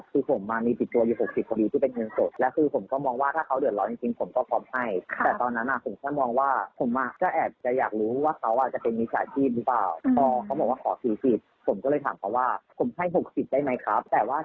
คุณบัวบอกว่าก็สังเกตว่ามันไม่ใช่แล้ว